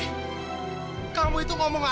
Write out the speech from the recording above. kami ingin berbicara dengan dokter iwan